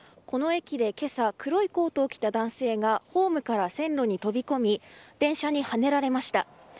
この駅で今朝、黒いコートを着た男性がホームから線路に飛び込み電車にはねられました。